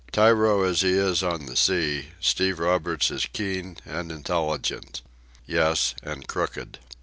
Tyro as he is on the sea, Steve Roberts is keen and intelligent ... yes, and crooked.